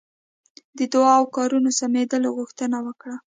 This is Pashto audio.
د دعا او کارونو سمېدلو غوښتنه وکړه.